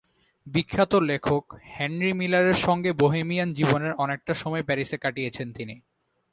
বিখ্যাত লেখক হেনরি মিলারের সঙ্গে বোহেমিয়ান জীবনের অনেকটা সময় প্যারিসে কাটিয়েছেন তিনি।